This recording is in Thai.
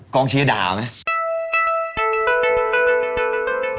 กองริเชียร์ด่าป่ะ